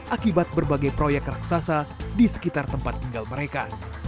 akibat berbagai proyek raksasa di sekitar tempat tinggal mereka